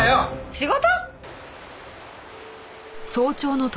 仕事！？